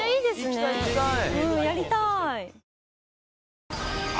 やりたい！